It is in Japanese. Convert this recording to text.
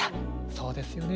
そうですよね。